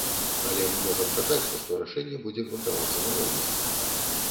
Але мы можам чакаць, што рашэнне будзе грунтавацца на роўнасці.